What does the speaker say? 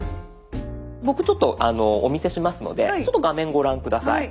僕ちょっとお見せしますので画面ご覧下さい。